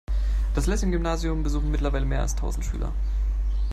Das Lessing-Gymnasium besuchen mittlerweile mehr als tausend Schüler.